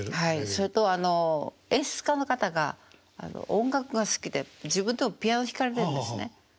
それとあの演出家の方が音楽が好きで自分でもピアノ弾かれてんですね。